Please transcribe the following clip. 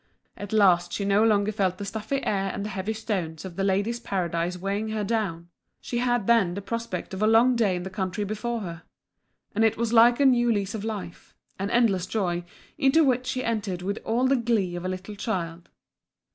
At last she no longer felt the stuffy air and the heavy stones of The Ladies' Paradise weighing her down! She had then the prospect of a long day in the country before her! and it was like a new lease of life, an endless joy, into which she entered with all the glee of a little child.